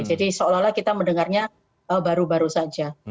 jadi seolah olah kita mendengarnya baru baru saja